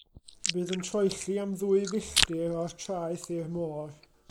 Bydd yn troelli am ddwy filltir o'r traeth i'r môr.